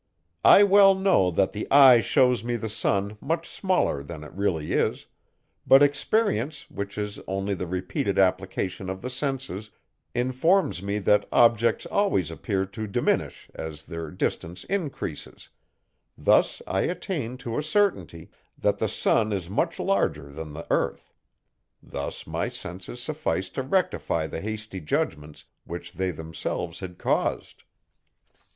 I well know, that the eye shews me the sun much smaller than it really is; but experience, which is only the repeated application of the senses, informs me, that objects always appear to diminish, as their distance increases; thus I attain to a certainty, that the sun is much larger than the earth; thus my senses suffice to rectify the hasty judgments, which they themselves had caused.